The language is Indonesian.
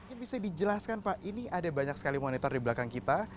ini bisa dijelaskan pak ini ada banyak sekali monitor di belakang kita